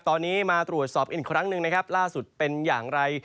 ตอนนี้มาตรวจสอบอีกครั้งหนึ่งนะครับล่าสุดเป็นอย่างไร